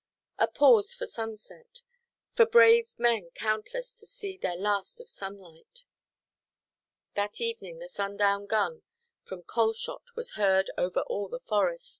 A pause for sunset; for brave men countless to see their last of sunlight. That evening, the sundown gun from Calshot was heard over all the forest.